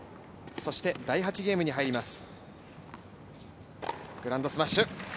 第８ゲームに入ります。